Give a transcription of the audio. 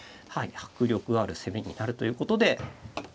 迫力ある攻めになるということで。